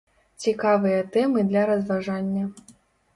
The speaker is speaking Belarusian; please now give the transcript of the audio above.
Цікавыя тэмы для разважання.